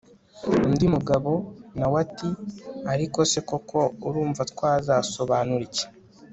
undi mugabo nawe ati ariko se koko urumva twazasobanura iki